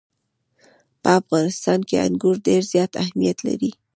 په افغانستان کې انګور ډېر زیات اهمیت لري.